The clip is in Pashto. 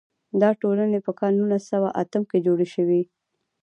دا ټولنې په کال نولس سوه اتم کې جوړې شوې.